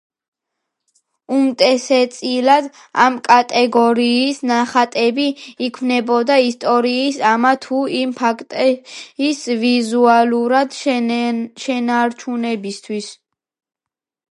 უმეტესწილად ამ კატეგორიის ნახატები იქმნებოდა ისტორიის ამა თუ იმ ფაქტის ვიზუალურად შენარჩუნებისთვის.